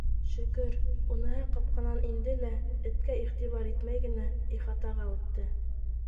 Шөкөр, уныһы ҡапҡанан инде лә, эткә иғтибар итмәй генә, ихатаға үтте.